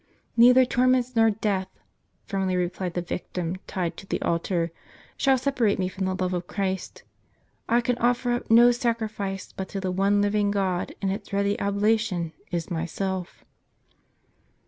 "ISTeither torments nor death," firmly replied the victim tied to the altar, " shall separate me from the love of Christ. I can offer up no sacrifice but to the one living God : and its ready oblation is myself."